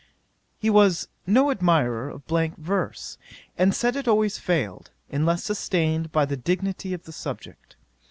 'He was no admirer of blank verse, and said it always failed, unless sustained by the dignity of the subject.